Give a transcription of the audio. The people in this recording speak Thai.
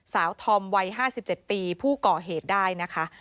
ธอมวัย๕๗ปีผู้ก่อเหตุได้นะคะ